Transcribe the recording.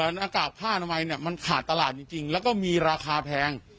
หน้ากากผ้าทำไมมันขาดตลาดจริงแล้วก็มีราคาแพง